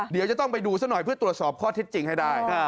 เดี๋ยวจะต้องไปดูซะหน่อยเพื่อตรวจสอบข้อเท็จจริงให้ได้